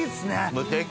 無敵！